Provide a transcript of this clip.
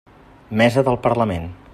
Mesa del Parlament.